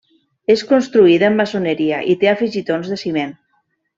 És construïda amb maçoneria i té afegitons de ciment.